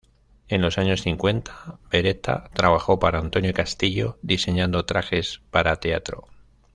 En los años cincuenta, Beretta trabajó para Antonio Castillo, diseñando trajes para teatro.